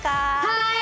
はい！